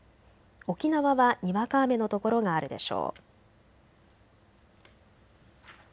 沖縄はにわか雨の所があるでしょう。